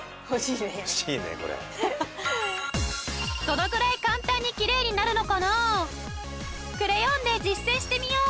どのぐらい簡単にきれいになるのかな？